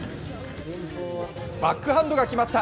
バックハンドが決まった。